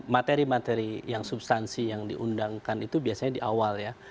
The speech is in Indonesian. materi materi yang substansi yang diundangkan itu biasanya di awal ya